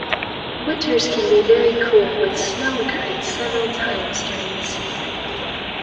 Winters can be very cool with snow occurring several times during the season.